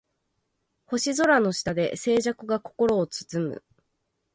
星空の下で静寂が心を包む